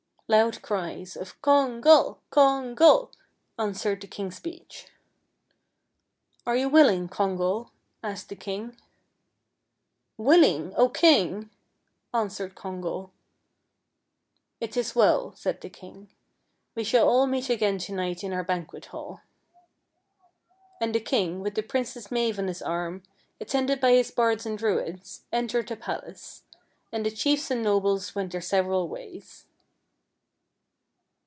Loud cries of " Congal ! Congal !'' answered the king's speech. "Are you willing, Congal?" asked the king. THE HOUSE IN THE LAKE 45 " Willing, O king! " answered Congal. " It is well," said the king. " We shall all meet again to night in our banquet hall." And the king, with the Princess Mave on his arm, attended by his bards and Druids, entered the palace, and the chiefs and nobles went their several ways.